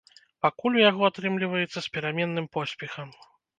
Пакуль у яго атрымліваецца з пераменным поспехам.